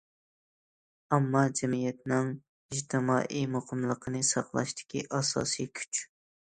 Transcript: ئامما جەمئىيەتنىڭ ئىجتىمائىي مۇقىملىقىنى ساقلاشتىكى ئاساسىي كۈچ.